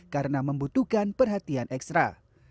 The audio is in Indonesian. karena membutuhkan perhatian ekstra